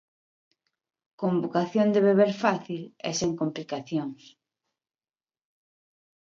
Con vocación de beber fácil e sen complicacións.